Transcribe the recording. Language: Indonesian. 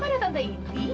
kok ada tante inti